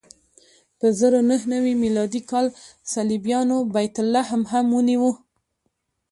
په زر نهه نوې میلادي کال صلیبیانو بیت لحم هم ونیو.